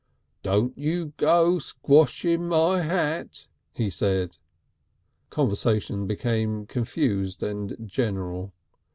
"Don't you go squashing my hat," he said. Conversation became confused and general.